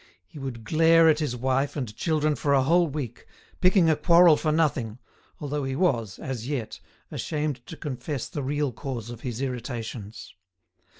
He would glare at his wife and children for a whole week, picking a quarrel for nothing, although he was, as yet, ashamed to confess the real cause of his irritations.